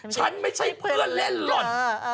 ฉันไม่ใช่เพื่อนเล่นหล่น